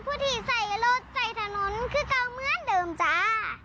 ผู้ที่ใส่รถใส่ถนนคือเก่าเหมือนเดิมจ้า